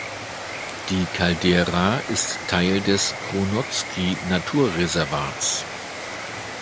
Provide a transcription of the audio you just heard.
Die Caldera ist Teil des Kronozki-Naturreservats.